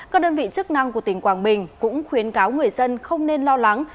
các đơn vị chức năng của tỉnh quảng bình cũng khuyến cáo người dân không nên lo lắng